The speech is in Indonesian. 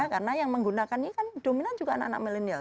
karena yang menggunakannya kan dominan juga anak anak millennial